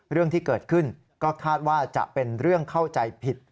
เรื่องที่เกิดขึ้นก็คาดว่าจะเป็นเรื่องเข้าใจผิด